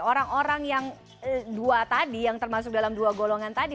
orang orang yang dua tadi yang termasuk dalam dua golongan tadi